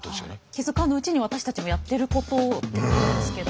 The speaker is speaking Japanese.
気付かぬうちに私たちもやってることということですけど。